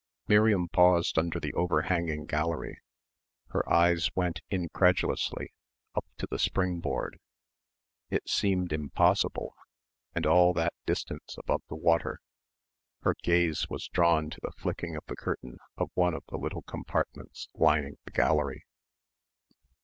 Miriam paused under the overhanging gallery. Her eyes went, incredulously, up to the springboard. It seemed impossible ... and all that distance above the water.... Her gaze was drawn to the flicking of the curtain of one of the little compartments lining the gallery.